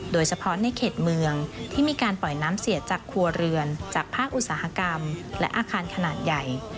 โดยเฉพาะในเขตเมืองที่มีการปล่อยน้ำเสียจากครัวเรือนจากภาคอุตสาหกรรมและอาคารขนาดใหญ่